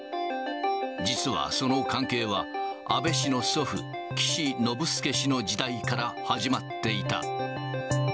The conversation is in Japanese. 実はその関係は、安倍氏の祖父、岸信介氏の時代から始まっていた。